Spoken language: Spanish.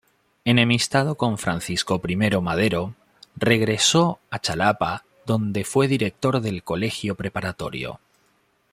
Enemistado con Francisco I. Madero, regresó a Xalapa donde fue director del Colegio Preparatorio.